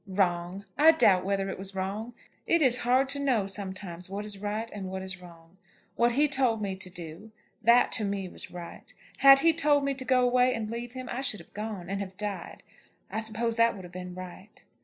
Wrong! I doubt whether it was wrong. It is hard to know sometimes what is right and what is wrong. What he told me to do, that to me was right. Had he told me to go away and leave him, I should have gone, and have died. I suppose that would have been right."